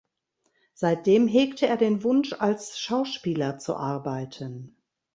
Seitdem hegte er den Wunsch als Schauspieler zu arbeiten.